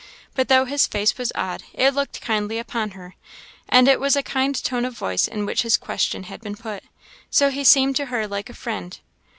But though his face was odd, it looked kindly upon her, and it was a kind tone of voice in which his question had been put; so he seemed to her like a friend.